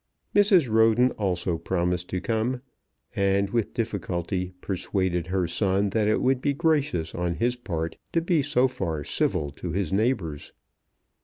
Mrs. Roden also promised to come, and with difficulty persuaded her son that it would be gracious on his part to be so far civil to his neighbours.